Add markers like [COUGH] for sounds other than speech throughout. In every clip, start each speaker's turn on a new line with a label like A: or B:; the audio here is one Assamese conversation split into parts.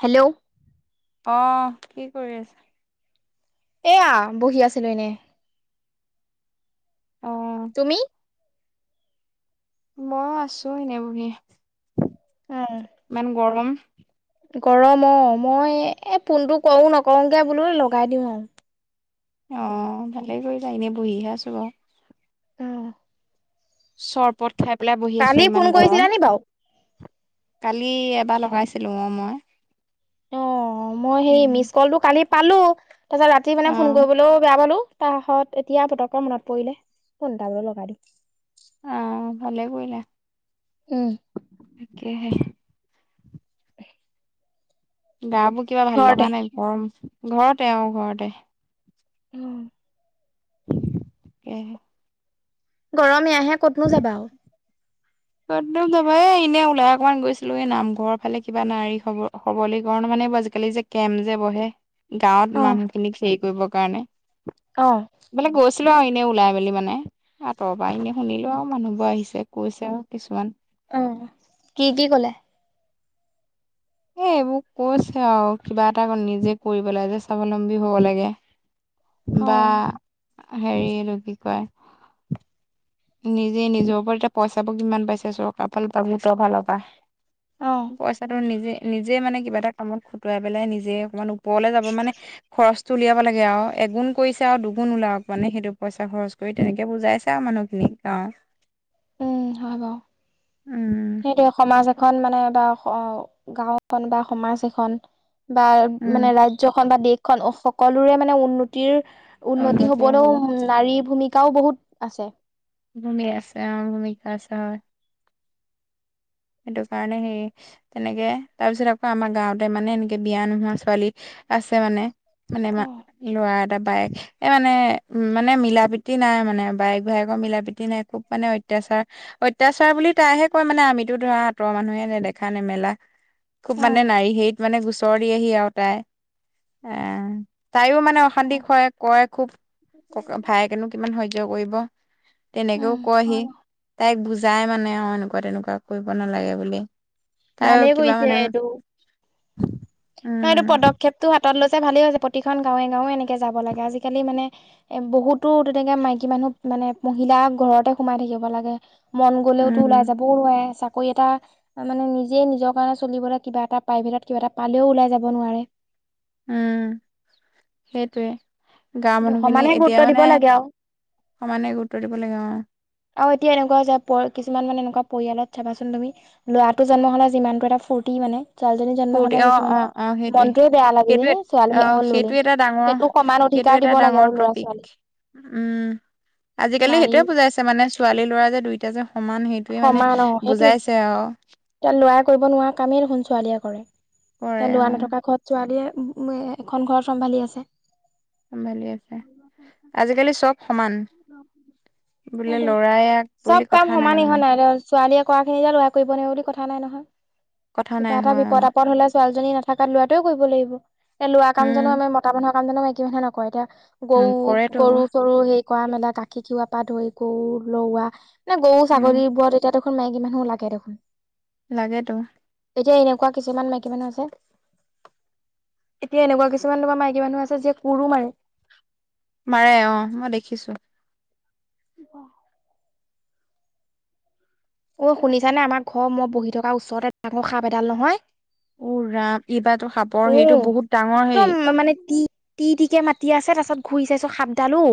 A: হেল্ল'।
B: অ কি কৰি আছ?
A: এয়া বহি আছিলো এনে,
B: অ
A: তুমি?
B: মইও আছো এনে বহি,
A: উম,
B: ইমান গৰম।
A: গৰম অ মই এই ফোনটো কৰো নকৰগে বোলো লগাই দিওঁ আৰু।
B: অ ভালেই কৰিলা এনে বহিহে আছো বাৰু। চৰবত খাই পেলাই বহি আছো
A: কালি ফোন
B: ইমান
A: কৰিছিলা
B: গৰম।
A: নি বাৰু?
B: কালি এবাৰ লগাইছিলো অ মই।
A: অ মই সেই
B: উম।
A: মিচ কলটো কালি পালো তাৰপিছত ৰাতি
B: অ
A: মানে ফোন কৰিবলৈও বেয়া পালো। তাহাহত এতিয়া পতকৰ মনত পৰিলে ফোনটাকে লগাই দিও।
B: অ ভালে কৰিলা।
A: উম।
B: তাকেহে। গা বোৰ কিবা ভাল লগা
A: ঘৰতে
B: নাই গৰম, ঘৰতে আৰু ঘৰতে।
A: উম।
B: তাকেহে।
A: গৰম য়াহে ক'তনো যাবা আৰু।
B: ক'ত নো যাবা এ এনে ওলাই অকমান গৈছিলো এই নামঘৰৰ ফালে কিবা নাাৰী সবলীকৰণ মানে। আজিকালি যে কেম্প যে বহে গাঁৱত
A: অ
B: মানুহখিনিক হেৰি কৰিবৰ কাৰণে।
A: অ',
B: আছিলোঁ আৰু এনেই ওলাই মেলি মানে আঁতৰ পৰা এনে শুনিলোঁ আৰু মানুহবোৰ আহিছে কৈছে আৰু কিছুমান।
A: অ কি কি কলে?
B: এ এইবোৰ কৈছে আৰু কিবা এটা নিজে কৰিব লাগে যে স্বাৱলম্বী হব লাগে।
A: অ
B: বা হেৰি কি কয়? নিজে নিজৰ ওপৰত এতিয়া পইচাবোৰ কিমান পাইছে চৰকাৰৰ ফালৰ পৰা গোটৰ ফালৰ পৰা।
A: অ
B: পইচাটো নিজে নিজে মানে কিবা এটা কামত খুটুৱাই পেলাই নিজে অকমান ওপৰলে যাব মানে খৰচ উলিয়াব লাগে আৰু এগুণ কৰিছে আৰু দুগুণ ওলাওক মানে সেইটো পইচা খৰচ কৰি তেনেকে বুজাইছে আৰু মানুহ। খিনিক অ',
A: উম, হব।
B: উম
A: সেইটোৱে সমাজ এখন মানে বা অ, গাও এখন বা সমাজ এখন। বা
B: উম
A: মানে ৰাজ্যখন বা দেশখন সকলোৰে মানে উন্নতিৰ উন্নতি হবলেও নাৰীৰ ভূমিকাও বহুত আছে।
B: ভূমিকা আছে অ, ভূমিকা আছে হয়। সেইটো কাৰণে হে তেনেকে তাৰপিছত আকৌ আমাৰ গাঁৱতে মানে এনেকে বিয়া নোহোৱা ছোৱালী, আছে মানে। মানে মা
A: অ',
B: লৰা এটা বায়েক এই মানে উ মানে মিলা প্ৰীতি নাই মানে বায়েক ভায়েকৰ, মিলা প্ৰীতি নাই খুব মানে অত্যাচাৰ, অত্যাচাৰ বুলি তাইহে কয় মানে আমি টো ধৰা আঁতৰ মানুহে নেদেখা নেমেলা খুব মানে
A: অ',
B: নাৰী হেৰিত মানে গু উত্তৰ দি আহি আৰু তাই আহ, তাইও মানে অশান্তি হয় কয় খুব ক ভায়েকেনো কিমান সজ্য কৰিব। তেনেকেও
A: উম।
B: কয়হি তাইক বুজাই মানে অ, এনেকুৱা তেনেকুৱা কৰিব নালাগে বুলি। তাইও
A: ভালেই
B: কিবা
A: কৰিছে
B: মানে
A: এইটো ন' এইটো
B: উম
A: পদক্ষেপটো, ত লৈছে ভালে হৈছে প্ৰতিখন গাঁৱে গাঁৱে এনেকে যাব লাগে আজিকালি মানে বহুতো তেনেকে মাইকী মানুহ [UNINTELLIGIBLE] মানে মহিলা ঘৰতে সোমাই থাকিব লাগে মন গ'লেওতো
B: উম
A: ওলাই যাবও নোৱাৰে চাকৰি এটা মানে নিজ যিয়ে নিজৰ কাৰণে চলিবলৈ কিবা এটা প্ৰাইভেটত কিবা এটা পালেও ওল যাব নোৱাৰে
B: উম সেইটোৱে গাৱঁৰ
A: সেইটো
B: মানুহ খিনি
A: সমানে গুৰুত্ব
B: এতিয়া
A: দিব
B: মানে
A: লাগে আৰু
B: সমানে গুৰুত্ব দিব লাগে অ
A: আৰু এতিয়া এনেকুৱা যে কিছুমান মানে এনেকুৱা পৰিয়ালত চাবাচোন তুমি ল'ৰাটো জন্ম হ'লে যিমানটো এটা ফূৰ্তি মানে ছোৱালীজনীৰ জন্ম
B: ফূৰ্তি
A: সদায়
B: অ অ
A: কিছুমানৰ
B: অ সেইটোৱে
A: মনটোৱে বেয়া লাগে যে
B: সেইটোৱে অ
A: ছোৱালী শেষ হল
B: সেইটো
A: বুলি
B: এটা ডাঙৰ
A: সেইটো সমান
B: সেইটো
A: শিকাৰ
B: এটা
A: দিব লাগে
B: ডাঙৰ
A: আৰু ল'ৰা
B: টপিক
A: ছোৱালীক
B: উম আজিকালি সেইটোয়ে বুজাইছে মানে ছোৱালী লৰা যে দুইটা যে সমান সেইটোয়ে মানে
A: সমান অ সেইটোয়ে
B: বুজাইছে আৰু
A: এতিয়া লৰাই কৰিব নোৱাৰা কামেই দেখোন ছোৱালীয়ে কৰে
B: কৰে
A: এ
B: অ
A: লৰা নথকা ঘৰত ছোৱালীয়ে উম এখন ঘৰ চম্ভালি আছে
B: চম্ভালি আছে আজিকালি চব সমান বোলে
A: সেইটোৱে
B: লৰাই আগ
A: চব
B: বুলি
A: কাম
B: কথা
A: সমান ইহোৱা
B: মানে
A: নাই ছোৱালীয়ে কৰা খিনি যে লৰা কৰিব ন বুলি কথা নাই নহয়
B: কথা
A: কিবা
B: নাই
A: এটা
B: হয়
A: বিপদ
B: অ',
A: আপদ হলে ছোৱালীজনী নথাকাত লৰাটোৱও কৰিব লাগিব এতি লৰা কামজনো
B: উম,
A: আমি মতা মানুহৰ কামজনকো একে মে নকয় এতিয়া
B: উম,
A: গৰু
B: কৰেতো
A: গৰু চৰু সেই কৰা মেলা গাখীৰ খিৱা পৰা ধৰি গৰু লোৱা মানে গৰু
B: উম,
A: ছাগলী বোৰত এতিয়া দেখোন মাইকি মানুহোও লাগে [UNINTELLIGIBLE]
B: লাগেতো
A: এতিয়া এনেকুৱা কিছুমান মাইকী মানুহ আছে এতিয়া এনেকুৱা কিছুমান তোমাৰ মাইকী মানুহ আছে, যিয়ে কোৰো মাৰে।
B: মাৰে অ', মই দেখিছো
A: [UNINTELLIGIBLE] অ', শুনিছা নে আমাৰ ঘৰ, মই বহি থকা ওচৰতে ডাঙৰ সাপ এডাল নহয়!
B: উ ৰাম এইবাৰতো সাপৰ হেৰিটো
A: উম।
B: বহুত ডাঙৰ হেৰি
A: একদম মই মানে তি তি তিকে মাতি আছে, তাৰপিছত ঘূৰি চাইছোঁ সাপডাল ঔ।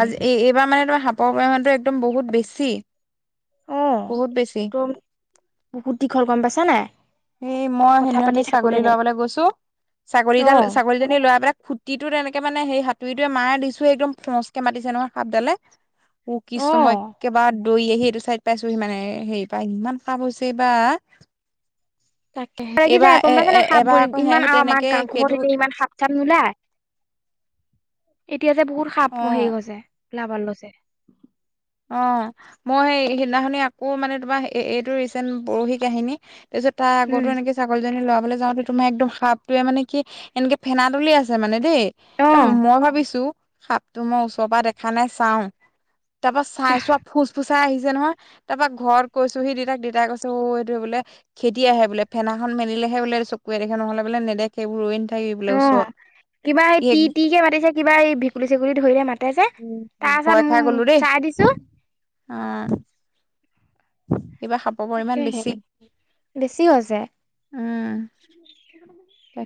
B: আজ, এই, এইবাৰ মানে তোমাৰ, সাপৰ পৰিমানটো একদম বহুত বেছি।
A: অ',
B: বহুত বেছি
A: তোৰ, বহুত দীঘল গ'ম পাইছা নাই?
B: এই, মই
A: কথা পাতি
B: সেইদিনাখনেই ছাগলী
A: থাকোতেনে
B: ল'ৰাবলৈ গৈছোঁ। ছাগলী
A: অ
B: ডাল, ছাগলীজনী ল'ৰাই পেলাই খুটিটোত তেনে কে মানে সেই হাতুৰিটোৱে মাৰা দিছোৱেই একদম ফউচ্ কে মাতিছে নহয় সাপডালে। উ কিছু
A: অ
B: সময় কবা দৈ আহি এইটো চাইড পাইছোঁ মানে এ, হেয়ি পা মানে ইমান সাপ হৈছে বা!
A: তাকেহে। [UNINTELLIGIBLE] গম পাইছ নে নাই,
B: এবাৰ
A: সাপবোৰ। ই,
B: আকৌ সে
A: ইমান
B: সেই
A: আৰু
B: তেনেকে
A: আমাৰ
B: সেইটো
A: গাঁওবোৰত [UNINTELLIGIBLE] ইমান সাপ চাপ নোলায়? [INAUDIBLE] এতিয়া যে বহুত সাপ
B: অ',
A: হেৰি হৈছে, ওলাব লৈছে।
B: অ', মই সেই, সেইদিনাখনি আকৌ মানে তোমাৰ এই, এইটো ৰিচেন্ট প'ৰহি কাহিনী। তাৰপিছত, তাৰ আগতো
A: উম
B: এনেকে ছাগলীজনী লৱাবলে যাওঁতে তোমাৰ একদম সাপটোৱে মানে জজ লয় আনহাতে কি এনেকে ফেনা তলি আছে মানে দেই। ত'
A: অ
B: মই ভাবিছোঁ, সাপটো মই ওচৰৰ পৰা দেখা নাই, চাও। তাৰ পৰা চাই চোৱা ফুচ ফুচাই আহিছে নহয়। তাৰ পৰা ঘৰত কৈছো সি দিতাক দেতাই কৈছো নহয় দিটাই বোলে খেদি আহে বোলে ফেনাখন মেলিলেহে বোলে চকুুৱে দেখে নহ'লে বোলে নেদেখেইবোৰ
A: অ' কিবা এই টি ট কে মাতিছে কিবা এই গুলি, চেগুলি ধৰিলে মাতে যে তাৰ পাছত
B: ভয় খাই
A: ম
B: গ'লো দেই
A: চাই দিছো।
B: কিবা সাপৰ পৰিমাণ
A: তাকেহে
B: বেছি
A: বেছি হৈছে।
B: উম'।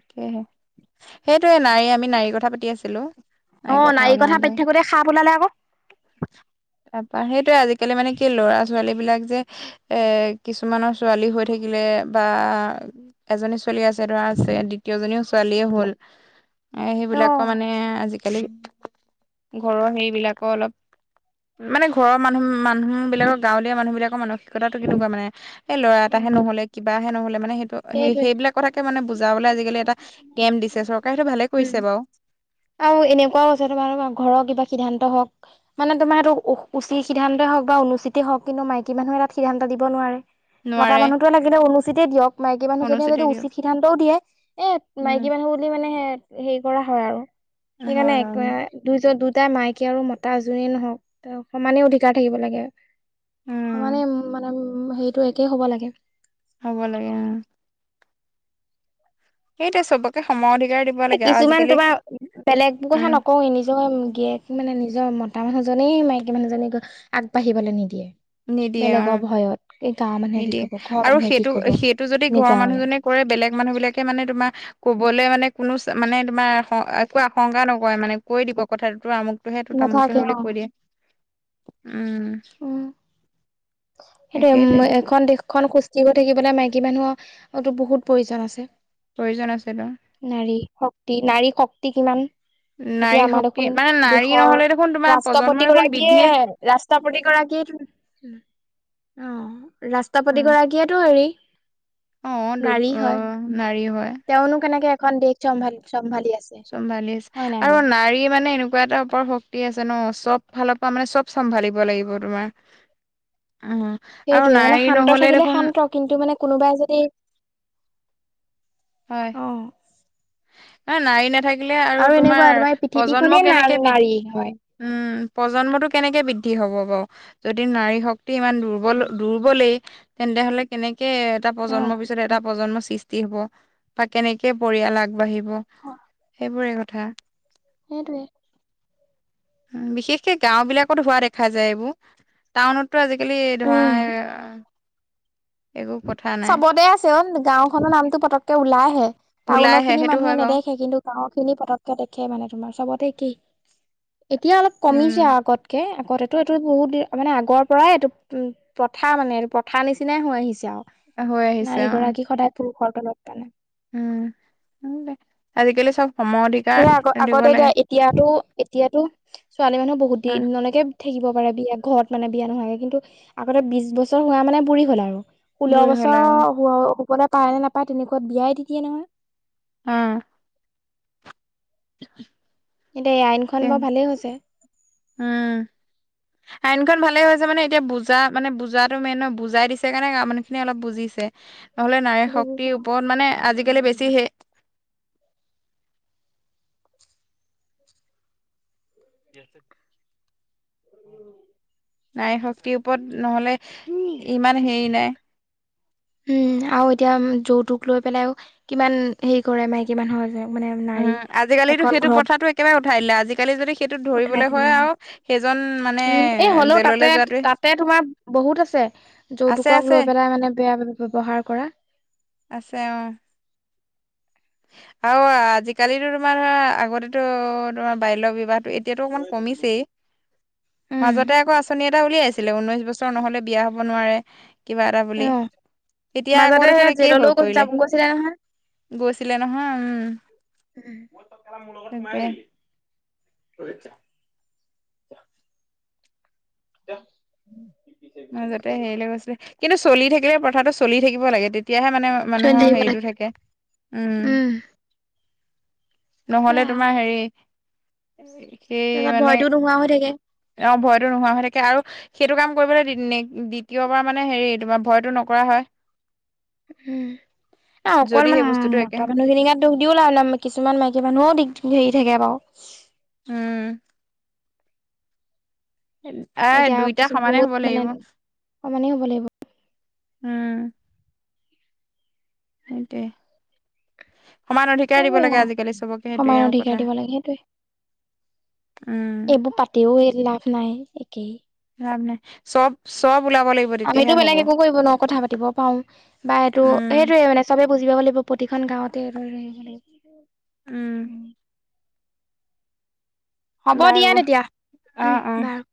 B: সেয়হে সেইটোয়ে নাৰী আমি নাৰীৰ কথা পাতি আছিলো।
A: অ' নাৰীৰ কথা পাতি থাকোতে সাপ ওলালে আকৌ।
B: তপা সেইটোৱে আজিকালি মানে কি ল'ৰা-ছোৱালী বিলাক যে এ কিছুমানৰ ছোৱালী হৈ থাকিলে বা এজনী ছোৱালি আছে ধৰা। আছে দ্বিতীয়জনীও ছোৱালীয়ে হ'ল এ সেইবিলাকৰ
A: অ'।
B: মানে আজিকালি ঘৰৰ হেৰিবিলাকো অলপ। মানে ঘৰৰ মানুহ, মানুহ বিলাকৰ গাঁৱলীয়া মানুহ বিলাকৰ মানসিকতাটো কেনেকুৱা মানে? সেই ল'ৰা এটাহে
A: উম,
B: নহ'লে কিবাহে নহ'লে মানে সেইটো সেই
A: সেইটোৱে।
B: সেইবিলাক কথাকে মানে বুজ। [UNINTELLIGIBLE] বলে আজিকালি এটা কেম্প দিছে চৰকাৰে সেইটো ভালে কৰিছে
A: উম।
B: বাৰু।
A: আৰু এনেকুৱাও আছে তোমাৰো ঘৰৰ কিবা সিদ্ধান্ত সিদ্ধান্ত হওঁক মানে তোমাৰ এইটো উচিত সিদ্ধান্তে হওঁক বা অনুচিতে হওঁক কিন্তু মাইকী মানুহে তাত সিদ্ধান্ত দিব নোৱাৰে। মতা
B: নোৱাৰে
A: মানুহটোৱে লাগিলে উন্মচিতেই দিয়ক। মাইকী মানুহজনীয়ে
B: অনুচিতে
A: যদি
B: দিয়ক
A: উচিত সিদ্ধান্তও দিয়ে এ
B: উম
A: মাইকী মানুহ বুলি মানে। হেৰি কৰা হয় আৰু
B: হয় হয়
A: সেইকাৰণে দুইজন দু তাই মাইকী আৰু মতা যোনেই নহওঁক ত' সমানেই অধিকাৰ থাকিব লাগে।
B: উম
A: সমানে মানে হেৰিটো একেই হ'ব লাগে।
B: হ'ব লাগে। উম সেইটোৱে চবকে সময়
A: কিছুমান তোমাৰ বেলেগ কথা
B: উম
A: নকওঁ এই নিজৰ গিয়ক মানে নিজৰ মত মতা মানুহজনেই মাইকী মানুহজনীক আগবাঢ়িবলে নিদিয়ে
B: নিদিয়ে অ
A: বেলেগৰ ভয়ত এই গাঁৱৰ মানুহে কি
B: নিদিয়ে
A: কব ঘৰৰ
B: আৰু
A: মানুহে কি
B: সেইটো
A: কব
B: সেইটো যদি ঘৰৰ
A: এনেকুৱা মানে
B: মানুহজনে কৰে বেলেগ মানুহ বিলাকে মানে তোমাৰ ক'বলে মানে কোনো মানে তোমাৰ একো আশংকা নকৰে মানে কৈ দিব কথা টো আমুকটোহে তো
A: নাথাকে
B: তামুকটোহে
A: অ
B: বুলি কৈ দিয়ে উম
A: উম সেইটোৱে উম এখন দেশখন খোজ দিব থাকিবলে মাইকী মানুহৰো বহুত প্ৰয়োজন আছে
B: প্ৰয়োজন আছে তো
A: নাৰী শক্তি, নাৰী শক্তি কিমান?
B: নাৰী
A: এতিয়া আমাৰ
B: শক্তি
A: দেখোন,
B: মানে নাৰী
A: দেশৰ
B: নহলে দেখোন তোমাৰ প্ৰজন্ম
A: ৰাষ্ট্ৰপতি
B: দেখোন
A: গৰাকীয়ে
B: বৃদ্ধিয়ে
A: ৰাষ্ট্ৰপতিগৰাকী। গৰাকীয়েটো উম'। অহ, ৰাষ্ট্ৰীপতি গৰাকীয়েটো হেৰি
B: অ দুৰ
A: নাৰী
B: অ
A: হয়।
B: নাৰী হয়
A: তেওঁনো কেনেকে এখন দেশ চম্ভালি চম্ভালি আছে
B: চম্ভালি আছে,
A: হয় নাই
B: আৰু
A: বাৰু
B: নাৰী মানে এনেকুৱা এটা ওপৰ শক্তি আছে। জানো চব ফালৰ পৰা মানে চব চম্ভালিব লাগিব তোমাৰ। উম' আৰু
A: সেইটোয়ে মানে
B: নাই
A: শান্ত
B: নহ'লে
A: থাকিলে
B: দেখোন
A: শান্ত কিন্তু মানে কোনোবাই যদি অ
B: এ নাৰী নাথা আৰু
A: এনেকুৱা
B: তোমাৰ প্ৰজন্ম
A: পৃথিৱীখনেই না
B: কেনেকে বৃদ্ধি,
A: নাৰী হয়
B: উম প্ৰজন্মটো কেনেকে বৃদ্ধি হ'ব বাৰু যদি নাৰী শক্তি ইমান দুৰ্বল,
A: উম,
B: দুৰ্বলেই তেন্তে হ'লে কেনেকে কে এটা
A: অ
B: প্ৰজন্মৰ পিছত এটা প্ৰজন্মৰ সৃষ্টি হ'ব, বা কেনেকে পৰিয়াল আগবাঢ়িব। ব। সেইবোৰে কথা।
A: সেইটোৱে।
B: বিশেষকে গাওঁবিলাকত হোৱা দেখা যায় এইবোৰ, টাউনত টো আজিকালি ধৰা
A: উম
B: একো কথা নাই
A: চবতে আছে অহ, গাঁওখনৰ নামটো পতককে ওলাই। আহে
B: ওলাই
A: টাউনৰ
B: আহে
A: খিনি
B: সেইটো
A: মানুহে
B: হয় বাৰু
A: নেদেখে কিন্তু, গাঁওৰখিনি পতকে দেখে মানে তোমাৰ চবত। কি, এতিয়া অলপ কমিছে
B: উম
A: আগতকে। আগতেটো এইটো বহুত দি, মানে আগৰ পৰাই এইটো প্ৰথা মানে এইটো পথাৰ নিচিনাই হৈ আহিছে আৰু।
B: হৈ আহিছে
A: নাৰী
B: অ
A: গৰাকী সদায় পুৰুষৰ তলত মানে।
B: উম' আজিকালি চব।
A: এ
B: সমঅধিকাৰ
A: আগ
B: দিব
A: আগতে এতিয়া
B: লাগে।
A: এতিয়াতো এতিয়াতো ছোৱালী মানুহ বহুত
B: আহ
A: দিন লৈকে। থাকিব পাৰে বিয়া ঘৰত মানে বিয়া নোহোৱাকে, কিন্তু আগতে বিছ বছৰ হোৱা মানে বুঢ়ী হ'ল আৰু। ষোল্ল
B: বুঢ়ী হ'ল আৰু
A: বছৰ হ'বলে পায় নে নাপায় তেনেকুৱাত, বিয়াই দি দিয়ে নহয়।
B: অহ'। [UNINTELLIGIBLE]
A: এতিয়া এই আইনখন
B: কে।
A: বাৰু ভালেই হৈছে
B: উম'। আইন খন ভালে হৈছে মানে এতিয়া বুজা মানে বুজাটো মেইন হয়, বুজাই দিছে কাৰণে মানুহখিনি অলপ বুজিছে। নহ'লে নাৰী শক্তিৰ
A: বুজিছে
B: ওপৰত মানে আজিকালি বেছি হে ইয়াতে। নাই শক্তিৰ ওপৰত নহ'লে ইমান হেৰি নাই।
A: উম' আৰু এতিয়া যৌতুক লৈ পেলাইও, কিমান হেৰি কৰে মাইকী মানুহৰ যে। মানে নাৰী
B: উম' আজিকালি
A: এখন
B: সেইটো
A: ঘৰত
B: প্ৰথাতটো একেবাৰে উঠাই দিলে। আজিকালি যদি সেইটোত
A: উঠাই
B: ধৰিবলৈ
A: দিলে
B: হয়
A: অ
B: আৰু। সেইজন মানে
A: উম এই হ'লেও তাতে
B: জেললৈ যোৱাটোৱে
A: তাতে তোমাৰ বহুত আছে
B: আছে
A: যৌতুকক
B: আছে
A: লৈ পেলাই মানে বেয়া ব্যৱহাৰ কৰা।
B: আছে অহ। আৰু আজিকালি তোমাৰ আগতেতো তোমাৰ বাল্য বিবাহ। এতিয়াতো অকমান কমিছেই।
A: উম
B: মাজতে আকৌ আঁচনি এটা উলিয়াইছিলে ঊনৈশ বছৰ নহ'লে বিয়া হ'ব নোৱাৰে। কিবা এটা বুলি।
A: অ
B: এতিয়া আকৌ
A: মাজতে
B: দেখোন
A: সেই
B: একেই হৈ
A: জেললৈও
B: পৰিলে।
A: যাব গৈছিলে
B: গৈছে ছিলে নহয়, উম।
A: মই তক [UNINTELLIGIBLE] মোৰ লগত সোমাই
B: তাকে
A: আহিলি। [UNINTELLIGIBLE] [UNINTELLIGIBLE]
B: উম'। মাজতে হেৰি লৈ গৈছিলে, কিন্তু চলি থাকিলে প্ৰথাটো চলি থাকিব লাগে তেতিয়াহে মানে
A: জেল
B: মানুহৰ
A: থাকিব
B: হেৰিতটো
A: লাগে।
B: থাকে। থাকে উম। নহ'লে
A: সেয়াই আৰু
B: তোমাৰ হেৰি সেই
A: তাৰপিছত
B: মানে।
A: ভয়তো নোহোৱা হৈ থাকে।
B: অহ, ভয়টো নোহোৱা হৈ থাকে আৰু। সেইটো কাম কৰিবলৈ দ্বিতীয়বাৰ মানে হেৰি তোমাৰ ভয়টো নকৰা হয়।
A: উম, ন
B: যদি
A: অকলমান
B: সেই বস্তুটো একে
A: মতৰ মানুহ খিনিকাত দুখ দিওলা আৰু কিছুমান মাইকী মানুহো দি হেৰি থাকে বাৰু। উ [UNINTELLIGIBLE]
B: উম, এ
A: এতিয়া আৰু
B: দুইটা
A: কিছু
B: সমানে
A: বহুত
B: হব
A: মানে
B: লাগিব।
A: সমানেই হ'ব লাগিব
B: উম, সেইটোৱে। সমান অধিকাৰ দিব
A: সেইবোৰে
B: লাগে
A: আৰু
B: আজিকালি চবকে
A: সমান
B: সেইটোৱে আৰুওঁ
A: অধিকাৰ
B: কথা।
A: দিব লাগে সেইটোৱে।
B: উম
A: এইবোৰ পাতিও লাভ নাই একেই।
B: নাই চব-চব
A: আমিতো বেলেগ একো কৰিব নোৱাৰো কথা পাতিব পাৰো বা এইটো
B: উম
A: সেইটোয়ে মানে চবে। বুজিবাব লাগিব প্ৰতিখন গাঁৱতে ধ আহিব লাগিব উম, হ'ব
B: বাৰু
A: দিয়া তেতিয়া
B: অ
A: উম
B: অ
A: বাৰু।